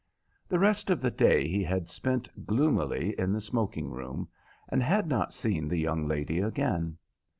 The rest of the day he had spent gloomily in the smoking room, and had not seen the young lady again.